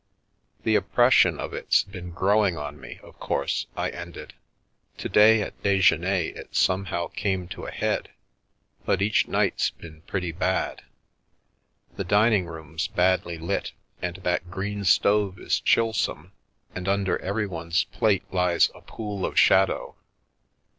" The oppression of it's been growing on me, of course," I ended ;" to day at dejeuner it somehow came to a head, but each night's been pretty bad. The dining room's badly lit, and that green stove is chillsome, and under everyone's plate lies a pool of shadow.